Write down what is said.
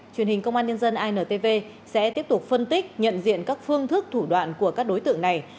truyền hình công an nhân dân intv sẽ tiếp tục phân tích nhận diện các phương thức thủ đoạn của các đối tượng này